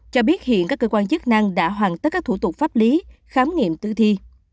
cho biết hiện các cơ quan chức năng đã hoàn tất các thủ tục pháp lý khám nghiệm tử thi